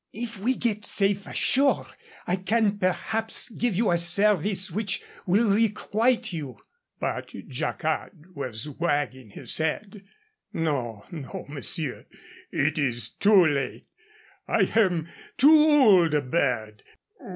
If we get safe ashore I can perhaps give you a service which will requite you." But Jacquard was wagging his head. "No, no, monsieur. It is too late. I am too old a bird.